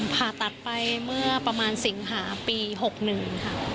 ผ่าตัดไปเมื่อประมาณสิงหาปี๖๑ค่ะ